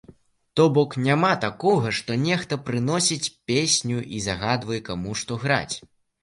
То бок няма такога, што нехта прыносіць песню і загадвае, каму што граць.